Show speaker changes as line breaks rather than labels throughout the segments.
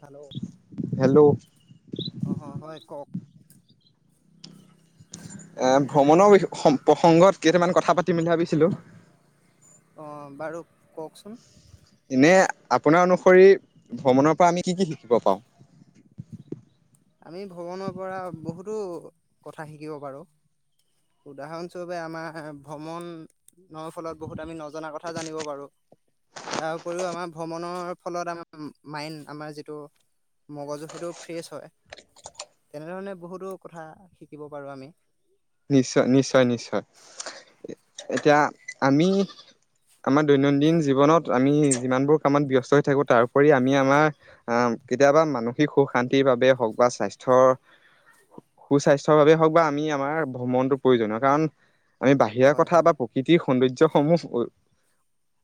Hello?
Hello
অঁ হয় কওক?
ভ্ৰমণৰ প্ৰসংগত কেইটামান কথা পাতিম বুলি ভাবিছিলোঁ
অ বাৰু কওকচোন?
নে আপোনাৰ অনুসৰি ভ্ৰমণৰ পৰা আমি কি কি শিকিব পাওঁ?
আমি ভ্ৰমণৰ পৰা বহুতো কথা শিকিব পাৰো, উদাহৰণস্বৰূপে আমাৰ ভ্ৰমণৰ ফলত বহুত আমি নজ জনা কথা জানিব পাৰো, তাৰ উপৰিও আমাৰ ভ্ৰমণৰ ফলত আমাৰ মাইণ্ড আমাৰ যিটো মগজু সেইটো ফ্ৰেছ হয়। তেনেধৰণে বহুতো কথা শিকিব পাৰোঁ আমি।
নিশ্চয়-নিশ্চয়-নিশ্চয়, এতিয়া আমি আমাৰ দৈনন্দিন জীৱনত আমি যিমানবোৰ কামত ব্যস্ত হৈ থাকো তাৰ‌উপৰি আমি আমাৰ আহ কেতিয়াবা মানসিক সুখ শান্তিৰ বাবে হওক বা স্বাস্থ্যৰ সুস্বাস্থ্যৰ বাবে হওক বা আমি আমাৰ মনটো প্ৰয়োজন হয় কাৰণ আমি বাহিৰা
হয়
কথা
হয়
বা প্ৰকৃতিৰ সৌন্দৰ্য সমূহ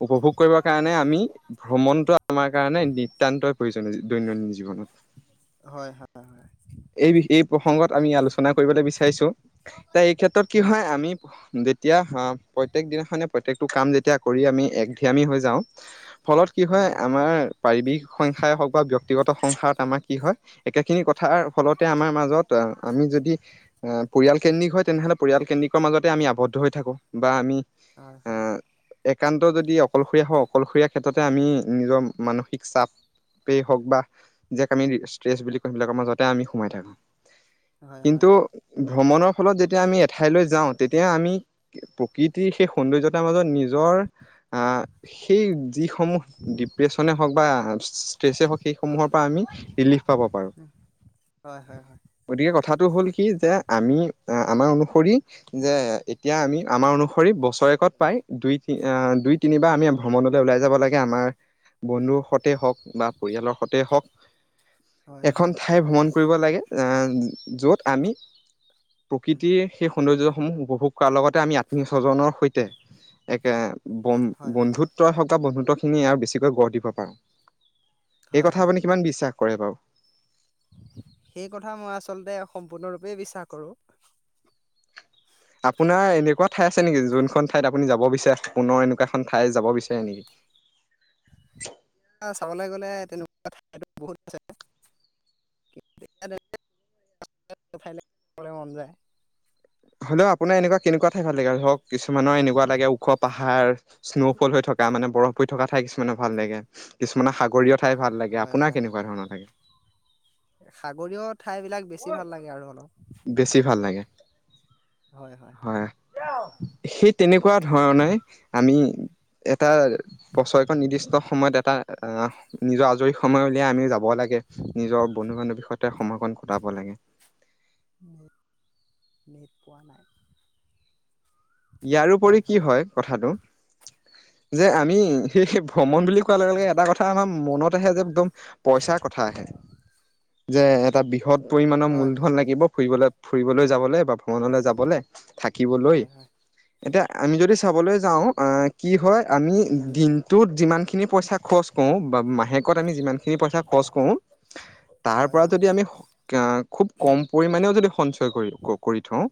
উপভোগ কৰিবৰ কাৰণে আমি ভ্ৰমণটো আমাৰ কাৰণে নিতান্তই প্ৰয়োজনীয় দৈনন্দিন জীৱনত।
হয় হয়
এই এই প্ৰসংগত আমি আলোচনা কৰিবলৈ বিচাৰিছো এই ক্ষেত্ৰত কি হয়, আমি যেতিয়া আহ প্ৰত্যেক দিনাখনে প্ৰত্যেকটো কাম যেতিয়া কৰি আমি এক ধিয়ামি হৈ যাওঁ ফলত কি হয় আমাৰ পাৰিবিক সংখ্যাই হওক বা ব্যক্তিগত সংসাৰত আমাৰ কি হয়, একেখিনি কথাৰ ফলতে আমাৰ মাজত আমি যদি পৰিয়াল কেন্দ্ৰিক হয় তেনেহ'লে পৰিয়াল কেন্দ্ৰিক মাজতে আমি আৱদ্ধ হৈ থাকো। বা আমি
হয় হয় [inaudible]
আহ একান্ত যদি অ অকলশৰীয়া হও অকলশৰীয়া ক্ষেতত তে আমি নিজৰ মানসিক চাপেই হওক বা যক আমি ষ্ট্ৰেছ বুলি কওঁ সেইবিলাকৰ মাজতে আমি সোমাই থাকো।
হয় হয় হয়
কিন্তু ভ্ৰমণক ফলত যেতিয়া আমি এঠাইলৈ যাওঁ তেতিয়া আমি প্ৰকৃতিৰ সেই সৌন্দৰ্যতাৰ মাজত নিজৰ আহ সেই যিসমূহ ডিপ্ৰেশ্যনে হওক বা ষ্টেচে সক [inaudible] সমূহৰ পৰা আমি ৰিলিফ পাব পাৰোঁ
হয় হয় হয়
গতিকে কথাটো হ'ল কি যে আমি আমাৰ অনুসৰি যে এতিয়া আমি আমাৰ অনুসৰি বছৰেকত প্ৰায় দুই তিনিবাৰ আমি ভ্ৰমণলৈ ওলাই যাব লাগে আমাৰ বন্ধুৰ সতে হওক বা পৰিয়ালৰ সতে হওক
হয়
এখন ঠাই ভ্ৰমণ কৰিব লাগে আ য'ত আমি প্ৰকৃতিৰ সেই সৌন্দৰ্য সমূহ উপভোগ কৰাৰ লগতে আমি আত্মীয় স্বজনৰ সৈতে একে
হয় হয়
বন্ধুত্বই হওঁক বন্ধুত্ব খিনি আৰু বেছিকৈ গঢ় দিব পাৰো এই
হয়
কথা
হয়
আপুনি কিমান বিশ্বাস কৰে বাও
সেই কথা মই আচলতে সম্পূৰ্ণৰূপে বিশ্বাস কৰোঁ
আপোনাৰ এনেকুৱা ঠাই আছে নেকি যোনখন ঠাইত আপুনি যাব বিচাৰে পুনৰ এনেকুৱা এখন ঠাই যাব বিচাৰে নেকি
চাবলে গ'লে তেনেকুৱা ঠাই বহুত আছে [unintelligible] মন যায়
হেল্ল আপোন এনেুকোৱা কেনেকুৱা ঠাইত ভাল লাগে আৰু হওঁক কিছুমানৰ এনেকুৱা লাগে ওখ পাহাৰৰ উঠ স্ন'ফল হৈ থকা মানে বৰফ পৰি থকা ঠাই কিছুমানে ভাল লাগে কিছুমানে সাগৰিয় ঠাই ভাললাগে আপোনাৰ কেনেকুৱা ধৰণৰ লাগে
সাগৰীয়ত ঠাইবিলাক বেছি ভাল লাগে আৰু অলপ
বেছি ভাল লাগে
হয় হয়
সেই তেনেকুৱা ধৰণে আমি এটা বছৰেকত নিৰ্দিষ্ট সময়ত এটা আহ নিজৰ আজৰি সময় উলিয়াই আমি যাব লাগে নিজৰ বন্ধু বান্ধৱী বিষয়তে সময় কন কটাব লাগে
মোক নিত পোৱা নাই
ইয়াৰওপৰি কি হয় কথাটো যে আমি সেইেই ভ্ৰমণ বুলি কোৱা লগে লগে এটা কথা আমাৰ মনত আহে যে একদম পইচাৰ কথা আহে যে এটা বৃহৎ পৰিমাণৰ
হয়
মূলধন
হয়
লাগিব ফুৰিবলৈ ফুৰিবলৈ যাবলৈ বা ভ্ৰমণলৈ যাবলৈ থাকিবলৈ
হয় হয়
এতিয়া আমি যদি চাবলৈ যাওঁ কি হয়, আমি দিনটোত যিমানখিনি পইচা খৰচ কৰোঁ বা মাহেকত আমি যিমানখিনি পইচা খৰচ কৰোঁ, তাৰ
হয়
পৰা
হয়
যদি আমি খুব কম পৰিমামানেও যদি সঞ্চয় কৰি কৰি থওঁ।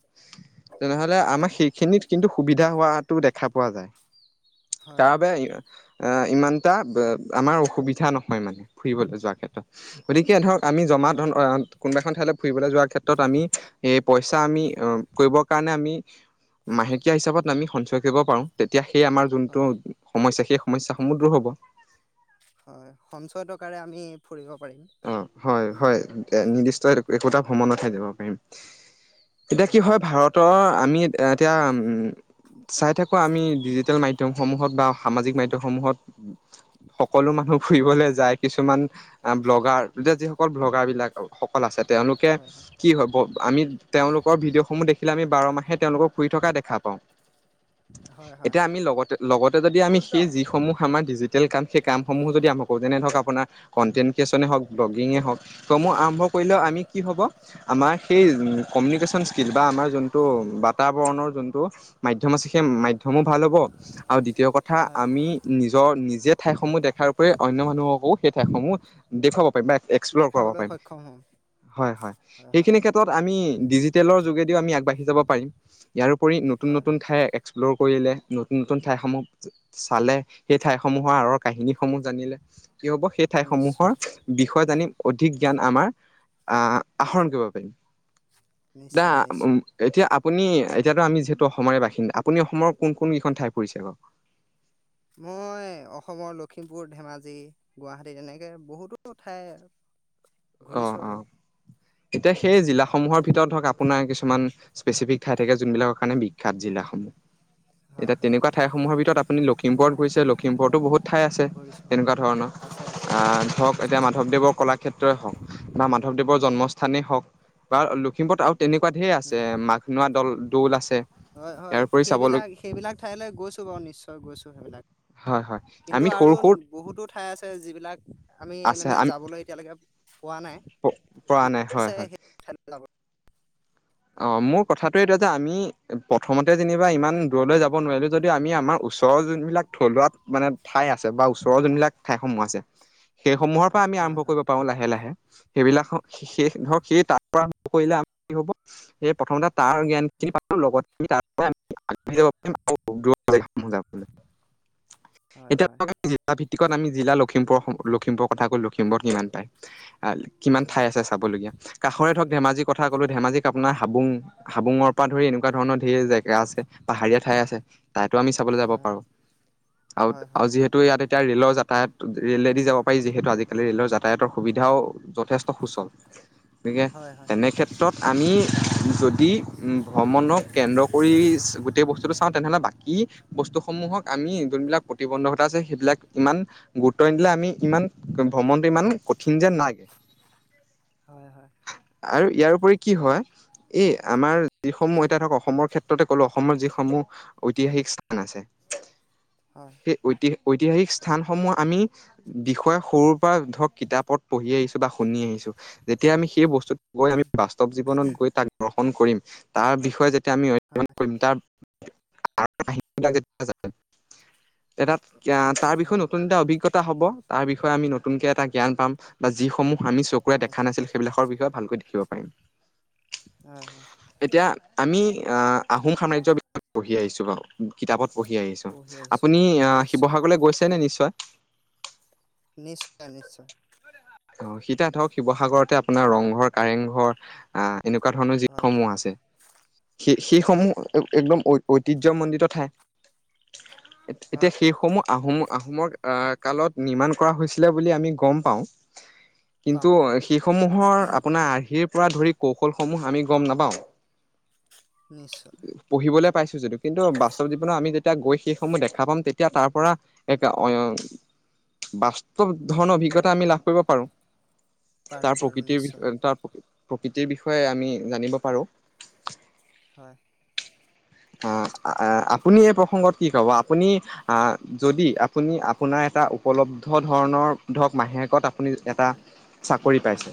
তেনেহ'লে
হয়
আমাক সেইখিনিত। কিন্তু সুবিধা হোৱাতটো দেখা পোৱা যায়।
হয়
তাৰ বাবে আহ এ ইমান এটা আমাৰ অসুবিধা নহয় মানে ফুৰিবলৈ যোৱাৰ ক্ষেত্ৰত গতিকে ধৰক আমি জমা
হয় হয়
ধন কোনোবা এখন ঠাইলৈ ফুৰিবলৈ যোৱাৰ ক্ষেত্ৰত আমি এই পইচা আমি কৰিবৰ কাৰণে আমি। [unintelligible] মাহেকীয়া হিচাপত আমি সঞ্চয় কৰিব পাৰো তেতিয়া। সেই আমাৰ যোনটো
হয়
সমস্যাৰ সেই সমস্যা সমূহ দূৰ হ'ব।
হয় সঞ্চয় টকাৰে আমি। কৰিব পাৰিম
অ' হয় হয় এ নিৰ্দিষ্ট একোটা ভ্ৰমণতহে থাকিব পাৰিম। এতিয়া কি হয় ভাৰতৰ। আমি এতিয়া চাই থাকোঁ আমি ডিজিটেল মাধ্যমসমূহত বা সামাজিক মাধ্যমসমূহত। সকলো মানুহ ফুৰিবলৈ যায় কিছুমান অকল ব্লগাৰবলাক সকল আছে। তেওঁলোকে কি হয় আমি তেওঁলোকৰ ভিডিঅ'সমূহ দেখিলে আমি বাৰ মাহে তেওঁলোকক শুই থকা দেখা পাওঁ
হয় হয়
এতিয়া আমি লগ লগতে যদি আমি সেই যিসমূহ আমাৰ ডিজিটেল কাম সেই কামসমূহো যদি আমি কৰো যেনে ধৰক আপোনাৰ কণ্টেণ্ট লোকেচনে হওক ব্লগিঙে হওক চমু আৰ্ন আৰম্ভ কৰিলেও
হয়
আমি কি হ'ব আমাৰ সেই কমিউনিকেশ্যন স্কিল বা আমাৰ যোনটো বাতাবৰণৰ যোনটো মাধ্যম আছে, সেই মাধ্যম সমূহ ভাল হ'ব আৰু দ্বিতীয় কথা
হয়
আমি নিজৰ নিজে ঠাইসমূহ দেখাৰ উপৰি অন্য মানুহকো সেই ঠাইসমূহ দেখুৱাব পাৰি হয়ৰ এক্সপ্লৰ কৰিব
দেখাবলৈ
পাৰিম।
সক্ষম হ'ম
হয় হয় সেইখিনিত ক্ষেত্ৰত আমি ডিজিটেল যোগেদিও আমি আগবাঢ়ি যাব পাৰিম ইয়াৰ পৰিও নতুন
হয়
নতুন ঠাই এক্সপ লোৰ কৰিলে নতুন নতুন ঠাইসমূহ চালে সেই ঠাইসমূহৰ আঁৰৰ কাহিনীসমূহ জানিলে কি হ'ব সেই ঠাইসমূহৰ
নিশ্চয়
বিষয়ে জানিম অধিক জ্ঞান আমাৰ আহ আহৰণ কৰিব পাৰিম। না
নিশ্চয় নিশ্চয়
উ এতিয়া আপো আপুনি এতিয়াতো আমি যিহেতু অসমৰে বাসিন্দা আপুনি অসমৰ কোন -কোন কেইখন ঠাই ফুৰিুছে বাও
মই অসমৰ লখিমপুৰ ধেমাজি গুৱাহাটী তেনেকে বহুতো ঠাই
অ
ঘূৰিছো
অ
আৰু
এতিয়া সেই জিলাসমূহৰ ভিতৰত ধৰক আপোনাৰ কিছুমান স্পেচিফিক ঠাই থাকে যোনবিলাকৰ কাৰণে বিখ্যাত জিলাসমূহ
হয়
এতিয়া
হয়
তেনেকোৱা ঠাইসমূহৰ ভিতৰত আপুনি লখিমপুৰত ঘূৰিছে লখিমপুৰতো বহুত ঠাই আছে
ঘূৰিছো
তেনেকোৱা ধৰণৰ
আছে আছে
অহ ধৰক এতিয়া
নিশ্চয়
মাধৱদেৱৰ কলাক্ষেত্ৰই হওক। বা মাধৱদেৱৰ জন্মস্থানেই হওক বা লখিমপুৰত আৰু তেনেকোৱা ঢেৰ আছে
উম
মাঘনোৱা দল দৌল আছে
হয়
ইয়াৰ
-হয়
উপৰি
সেইবিলাক-
চাবলগীয়া
সেইবিলাক ঠাইলৈ গৈছো বাৰু নিশ্চয় গৈছো সেইবিলাক
হয় হয়
কিন্তু
আমি
আৰু
সৰু সৰু
বহুতো ঠাই আছে যিবিলাক আমি
আছে
মানে
আমি
যাবলৈ এতিয়ালৈকে পোৱা নাই
পৰা
মন
নাই হয়
আছে সেই
হয়
ঠাইলৈ যাবলৈ
অ', মোৰ কথাটো এইটো যে আমি প্ৰথমতে যেনিবা ইমান দূৰলৈ যাব নোৱাৰিলো যদিও আমি আমাৰ ওচৰৰ যোনবিলাক থলুৱা মানে ঠাই আছে বা ওচৰৰ যোনবিলাক ঠাইসমূহ আছে সেইসমূহৰ হয় আমি আৰম্ভ কৰিব পাৰো লাহে সেইবিলাক হ সেই
হয়
ধৰক সেই তাৰ পৰা কৰিলে আমাৰ কি হ'ব সে প্ৰথমতে তাৰ জ্ঞান খিনি পালো লগতে আমি তাৰ পৰা আগ বাঢ়ি যাব পাৰিম আৰু পালেই ময়ো যাম
হয়
এতিয়া
হয়
তই যাবি টিকট আমি জিলা লখিমপুৰৰ স লখিমপুৰৰ কথা কলো লখিমপুৰত কিমান পায় আৰু কিমান ঠাই
হয়
আছে চাবলগীয়া কাষৰে ধৰক ধেমাজি কথা কলো ধেমাজি আপোনাৰ হাবুং হাবুঙৰ পৰা ধৰি এনেকোৱা ধৰণৰ সেই জেগা আছে পাহাৰীয়া ঠাই আছে উ তাইতো আমি চাবলৈ যাব
হয়
পাৰো আৰু-
হয় হয়
আৰু যিহেতু ইয়াতে এতিয়া ৰে'লৰ যাতায়ত ৰেলেদি যাব পাৰি যিহেতু আজিকালি ৰে'লৰ যাতায়াতৰ সুবিধাও যথেষ্ট সুচল। গতিকে
হয় হয় হয়
তেনেক্ষেত্ৰত আমি যদি ভ্ৰমণক কেন্দ্ৰ কৰি গোটেই বস্তুটো চাওঁ তেনেহ'লে বাকী বস্তুসমূহক আমি যোনবিলাক প্ৰতিবন্ধকতা আছে সেইবিলাক ইমান গুৰুত্ব নিদিলে আমি ইমান ভ্ৰমণটো ইমান কঠিন যে নাই।
হয় হয়
আৰু ইয়াৰ উপৰি কি হয় এই আমাৰ যিসমূহ এতিয়া ধৰক অসমৰ ক্ষেত্ৰতে ক'লো অসমৰ যিসমূহ ঐতিহাসিক স্থান আছে।
হয়
সেই ঐতিহাসিক ঐতিহাসিক স্থানসমূহ আমি বিষয়ে সৰুৰ পৰা ধৰক কিতাপত পঢ়ি আহিছো বা শুনি আহিছো যেতিয়া আমি সেই বস্তুত গৈ আমি বা স্তৱ জীৱন গৈ তাক্ৰ [unintelligible] [unintelligible] দৰ্শন কৰিম তাৰ বিষয়ে তাৰ বিষয় আমি অধ্যয়ন কৰিম তাৰ তি তে তাত [unintelligible] তাৰ বিষয়ে
হয়
নতুন এটা অভিজ্ঞতা হ'ব, তাৰ বিষয়ে আমি নতুনকে এটা জ্ঞান পাম বা যিসমূহ- আমি চকুৰে দেখ
হয়
নাছিল সেইবিলাকৰ বি ওচৰ পৰা ভালকৈ দেখিব পাৰিম।
হ হয়
এতিয়া আমি আহ আহোম সাম্ৰাজ্য বিয়য় পঢ়ি আহিছো বাৰু কিতাপত পঢ়ি আহিছো,
পঢ়ি আহিছো
আপুনি আহ
নিশ্চয়
শিৱসাগৰলৈ গৈছে নে? নিশ্চয় ক [unintelligible]
নিশ্চয় নিশ্চয়
অ এতিযাধৰক শিৱসাগৰতে আপোনাৰ ৰংঘৰ কাৰেংঘৰ আহ এনেকুৱা ধৰণৰ
হয় হয়
যিসমূহ আছে সেই
হয়
সেইসমূহ একদম ঐতিহ মন্দিতঠাই। এতিয়া
হয় হয়
সেইসমূহ আহোম আহোমৰ আহ কালত নিৰ্মাণ কৰা হৈছিলে বুলি আমি গম পাওঁ কিন্তু
পাওঁ
সেইসমূহৰ আপোনাৰ আৰ্হিৰ পৰা ধৰি কৌশলসমূহ আমি গম নাপাওঁ।
নিশ্চয়
পঢ়িবলে পাইছো যদি কিন্তু বাস্তৱ জীৱনত আমি যেতিয়া গৈ সেইসমূহ দেখা পাম তেতিয়া তাৰ পৰা এক বাস্তৱ ধৰণৰ অভিজ্ঞতা আমি লাভ কৰিব পাৰো [inaudible]
পাৰো
তাৰ
পাৰো
প্ৰকৃতিৰ
নিশ্চয়
বিষয়ে তাৰ প্ৰকৃ প্ৰকৃতিৰ বিষয়ে আমি জানিব পাৰোঁ।
হয়
আহ আপুনি এই প্ৰসংগত কি কব? আপুনি আহ যদি? আপুনি আপোনাৰ এটা উপলব্ধ ধৰণৰ ধৰক মাহেকত আপুনি এটা চাকৰি পাইছে?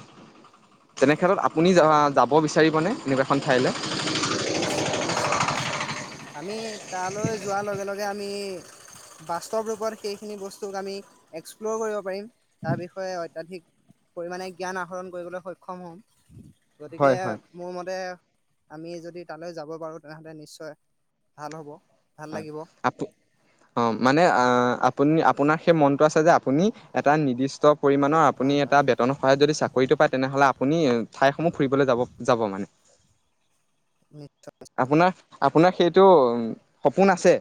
তেনেক্ষেত্ৰত আপুনি
হয় হয়
যাব বিচাৰিবনে এনেকুৱা এখন ঠাইলৈ?
নিশ্চয়-নিশ্চয়-নিশ্চয় [unintelligible] আমি তালৈ যোৱাৰ লগে-লগে আমি [unintelligible] বাস্তৱ ৰূপত সেইখিনি বস্তুক আমি এক্সপ্ল'ৰ কৰিব পাৰিম। তাৰ বিষয়ে অত্যাধিক পৰিমাণে জ্ঞান আহৰণ কৰিবলৈ সক্ষম হম। গতিকে
হয় হয়।
মোৰ মতে আমিজত যদি তালৈ যাব পাৰো তেনেহলে নিশ্চয়, ভাল হ'ব। ভাল লাগিব
[unintelligible] আ অ মানে আপুনি-আপোনাৰ সেই মনটো আছে যে আপুনি এটা নিৰ্দিষ্ট পৰিমাণৰ আপুনি
হয়
এটা
হয়
বেটন সহায় যদি চাকৰিটো প তেনেহ'লে আপুনি ঠাইসমূহ ফুৰিবলৈ যাব যাব মানে
উম
আপোনাৰ আপোনাৰ সেইটো সপোন আছে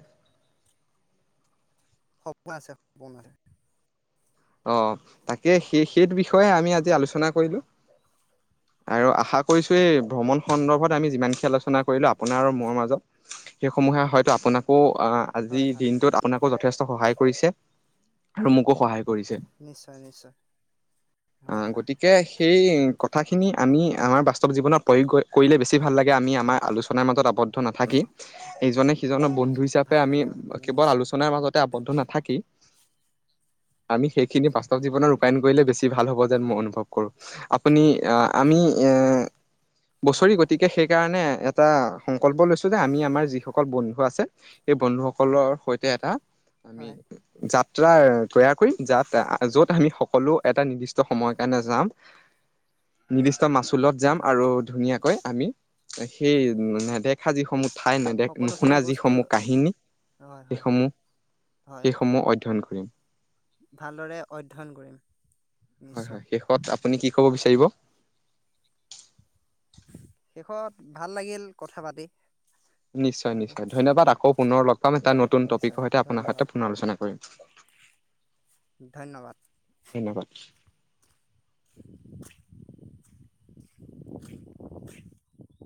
সপোন আছে সপোন আছে
আহ তাকে সেই সেইটো বিষয়ে আমি আজি আলোচনা কৰিলো আৰু আশা কৰিছো এই ভ্ৰমণ সন্দৰ্ভত আমি যিমানখিন আলোচনা কৰিলো আপোনাৰ আৰু মোৰ মাজত সেইসমূহে হয়তো আপোনাকো অ আজিৰ
হয় হয়
দিনটোত আপোনাক যথেষ্ট সহায় কৰিছে আৰু মোকো কৰিছে
নিশ্চয় নিশ্চয় হয়
আহ
হয়
গতিকে সেই কথাখিনি আমি আমাৰ বাস্তৱ জীৱনত প্ৰয়োগ কৰিলে বেছি ভাল লাগে আমি আমাৰ আলোনাৰ মাজত আবদ্ধ নাথাকি ইজনে সিজক বন্ধু হিচাপে
ভাল
আমি
লাগে ভাল লাগে
কেৱল
নিশ্চয়
আলোচনাৰ মাজতে আবদ্ধ নাথাকি আমি সেইখিনি বাস্তৱ জীৱনত ৰূপায়ণ কৰিলে বেছি ভাল হ'ব যেন মই অনুভৱ কৰো আপুনি আহ আমি এ
হয়
বছৰি
হয়
গতিকে সেইকাৰণে এটা সংকল্প লৈছো যে আমি আমাৰ যিসকল বন্ধু আছে সেই বন্ধুসকলৰ সৈতে এটা আমি
হয়
যাম [inaudible] যাৰ [unintelligible] যত আমি সকলো এটা নিৰ্দিষ্ট সময় কাৰণে যাম নিৰ্দিষ্ট মা ছুলত যাম
হয়
আৰু ধুনীয়াকৈ আমি সেই নেদেখা যি সমূহ ঠাই নেদেখা
সকলোখিনি
নুশুনা
বস্তু
যিসমূহ কাহিনী
হয় হয়
সেইসমূহ
হয় হয়
সেইসমূহ অধ্যয়ন কৰিম
ভালদৰে অধ্যয়ন কৰিম
হয়
নিশ্চয়
হয় শেষত কি কব বিচাৰিব?
শেষত ভাল লাগিল কথা পাতি।
নিশ্চয়-নিশ্চয় ধন্যবাদ আকৌ পুনৰ লগ পাম এটা নতুন
নিশ্চয়
টপিকৰ সৈতে আপোনাৰ
ধন্যবাদ
সৈতে পুনৰ আলোচনা কৰিম।
ধন্যবাদ।
ধন্যবাদ
[inaudible]